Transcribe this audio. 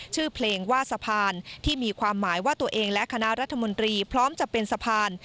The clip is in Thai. ชื่อเพลงว่าสะพานที่มีความหมายว่าตัวเองและคณะรัฐมนตรีพร้อมจะเป็นสะพาน